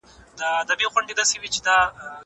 زه له سهاره موبایل کاروم!